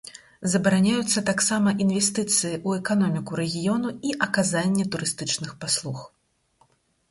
Забараняюцца таксама інвестыцыі ў эканоміку рэгіёну і аказанне турыстычных паслуг.